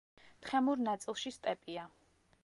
თხემურ ნაწილში სტეპია.